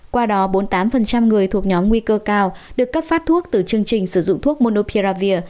qua đó bốn mươi tám người thuộc nhóm nguy cơ cao được cấp phát thuốc từ chương trình sử dụng thuốc monopia